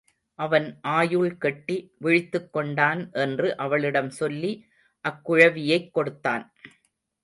அவன் ஆயுள் கெட்டி விழித்துக் கொண்டான் என்று அவளிடம் சொல்லி அக்குழவியைக் கொடுத்தான்.